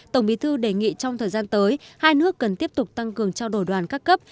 tổng bí thư đề nghị trong thời gian tới hai nước cần tiếp tục tăng cường trao đổi đoàn các cấp